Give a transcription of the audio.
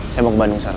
saya mau ke bandung sar